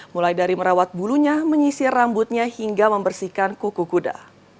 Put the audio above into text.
mulai dari merawat bulunya menyisir rambutnya hingga membersihkan kuku kuda